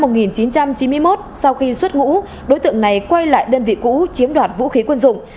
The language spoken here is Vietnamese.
năm một nghìn chín trăm chín mươi một sau khi xuất ngũ đối tượng này quay lại đơn vị cũ chiếm đoạt vũ khí quân dụng